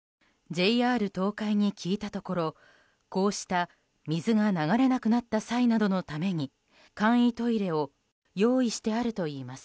ＪＲ東海に聞いたところこうした、水が流れなくなった際などのために簡易トイレを用意してあるといいます。